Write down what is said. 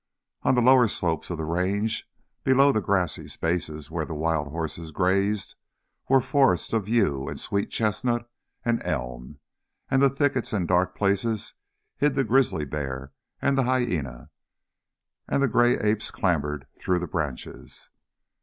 On the lower slopes of the range, below the grassy spaces where the wild horses grazed, were forests of yew and sweet chestnut and elm, and the thickets and dark places hid the grizzly bear and the hyæna, and the grey apes clambered through the branches.